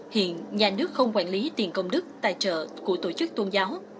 hiện nhà nước không quản lý tiền công đức tài trợ của tổ chức tôn giáo